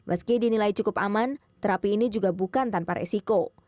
meski dinilai cukup aman terapi ini juga bukan tanpa resiko